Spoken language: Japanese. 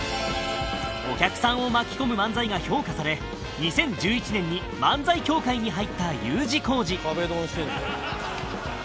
お客さんを巻き込む漫才が評価され２０１１年に漫才協会に入った Ｕ 字工事壁ドンしてんじゃん。